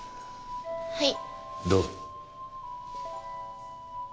はい。どう？